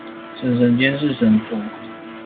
嬸嬸監視嬸婆